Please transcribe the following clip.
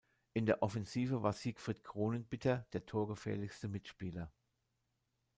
In der Offensive war Siegfried Kronenbitter der torgefährlichste Mitspieler.